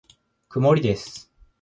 曇りです。